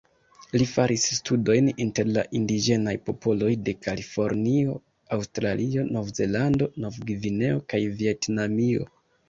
Li faris studojn inter la indiĝenaj popoloj de Kalifornio, Aŭstralio, Novzelando, Novgvineo kaj Vjetnamio.